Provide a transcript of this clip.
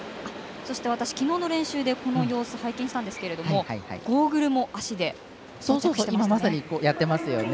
私、昨日の練習でこの様子を拝見したんですがゴーグルも足で装着していますね。